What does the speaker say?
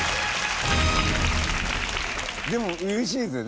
でも嬉しいですよね。